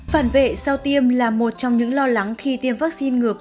phản vệ sau tiêm là một trong những lo lắng khi tiêm vắc xin ngừa covid một mươi chín